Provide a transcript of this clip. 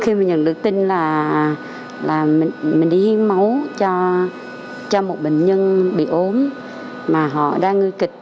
khi mà nhận được tin là mình đi hiến máu cho một bệnh nhân bị ốm mà họ đang nguy kịch